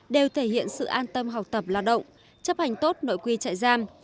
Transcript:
đều thể hiện sự an tâm học tập lao động chấp hành tốt nội quy trại giam